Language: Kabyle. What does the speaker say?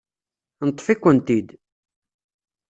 Neṭṭef-ikent-id.